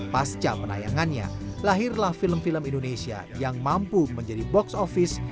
pasca penayangannya lahirlah film film indonesia yang mampu menjadi box office